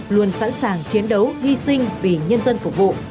luôn sẵn sàng chiến đấu hy sinh vì nhân dân phục vụ